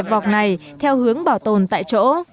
đàn vọc này theo hướng bảo tồn tại chỗ